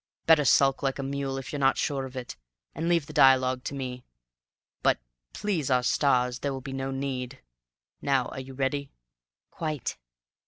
Better sulk like a mule if you're not sure of it, and leave the dialogue to me; but, please our stars, there will be no need. Now, are you ready?" "Quite."